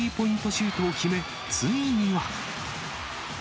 シュートを決め、ついには。